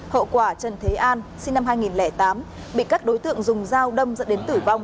hậu quả trần thế an sinh năm hai nghìn tám bị các đối tượng dùng dao đâm dẫn đến tử vong